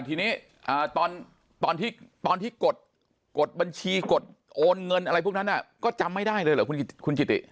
ทีนี้ตอนที่กดบัญชีกดโอนเงินอะไรพวกนั้นก็จำไม่ได้เลยเหรอคุณจิติ